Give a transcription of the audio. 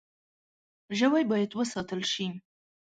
ژوی باید وساتل شي.